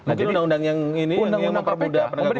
mungkin undang undang yang ini yang memperbudah